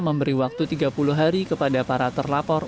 memberi waktu tiga puluh hari kepada para terlapor